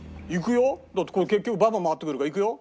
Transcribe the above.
だってこれ結局ババ回ってくるからいくよ。